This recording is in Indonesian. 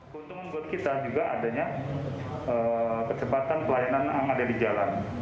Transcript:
keuntungan buat kita juga adanya kecepatan pelayanan yang ada di jalan